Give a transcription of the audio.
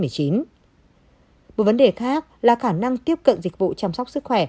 một vấn đề khác là khả năng tiếp cận dịch vụ chăm sóc sức khỏe